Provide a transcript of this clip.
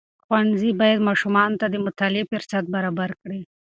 ښوونځي باید ماشومانو ته د مطالعې فرصت برابر کړي.